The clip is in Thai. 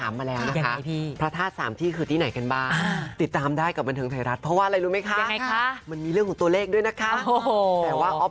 มันดีขึ้นไปหมดเลยครับ